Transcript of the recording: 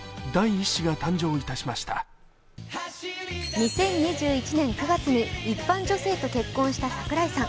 ２０２１年９月に一般女性と結婚した櫻井さん。